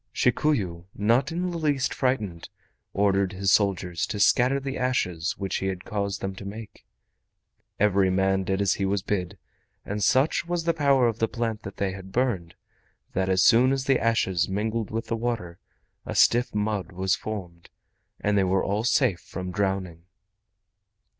Shikuyu, not in the least frightened, ordered his soldiers to scatter the ashes which he had caused them to make. Every man did as he was bid, and such was the power of the plant that they had burned, that as soon as the ashes mingled with the water a stiff mud was formed, and they were all safe from drowning.